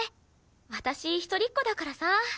私一人っ子だからさ。